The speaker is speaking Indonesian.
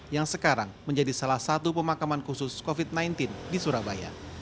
yang sekarang menjadi salah satu pemakaman khusus covid sembilan belas di surabaya